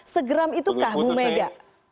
segram itukah bu mega